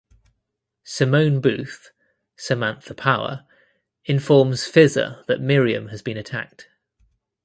Simone Booth (Samantha Power) informs Fizza that Miriam has been attacked.